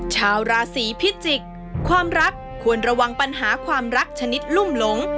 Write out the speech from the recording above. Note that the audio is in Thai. ชาวราศีพิจิกษ์ความรักควรระวังปัญหาความรักชนิดลุ่มหลง